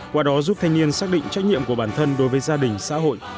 qua đó giúp thanh niên xác định trách nhiệm của bản thân đối với gia đình xã hội